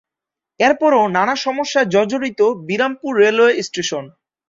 এরপরও নানা সমস্যায় জর্জরিত বিরামপুর রেলওয়ে স্টেশন।